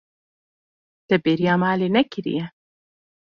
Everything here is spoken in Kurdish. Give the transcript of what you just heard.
Te bêriya malê nekiriye.